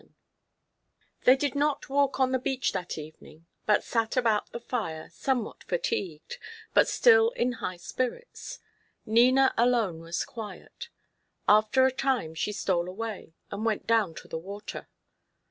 XI They did not walk on the beach that evening, but sat about the fire, somewhat fatigued, but still in high spirits. Nina alone was quiet. After a time she stole away, and went down to the water.